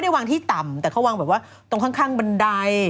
ก็ไม่วางที่ต่ำแต่เขาวางข้างบันได